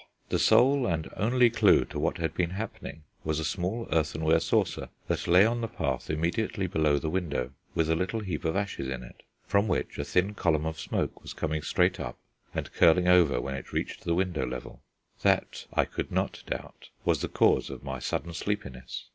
The sole and only clue to what had been happening was a small earthenware saucer that lay on the path immediately below the window, with a little heap of ashes in it, from which a thin column of smoke was coming straight up and curling over when it reached the window level. That, I could not doubt, was the cause of my sudden sleepiness.